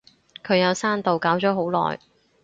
佢有刪到，搞咗好耐